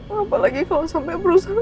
apalagi kalau sampai berusaha